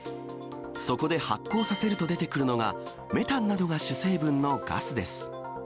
そこで発酵させると出てくるのが、メタンなどが主成分のガスです。